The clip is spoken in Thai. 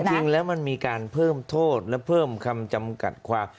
จริงแล้วมันมีการเพิ่มโทษและเพิ่มคำจำกัดความ